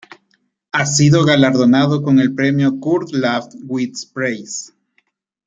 Ha sido galardonado con el premio Kurd-Laßwitz-Preis.